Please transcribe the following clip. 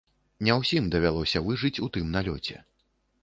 Не ўсім давялося выжыць у тым налёце.